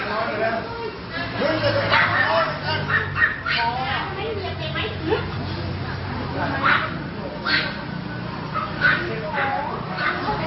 แม่งยูมลูกต้องฟังไว้ไม่ต้องมีพวกเขามาเผื่อ